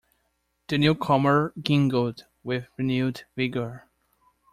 The newcomer giggled with renewed vigour.